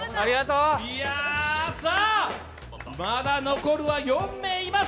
まだ残るは４名います。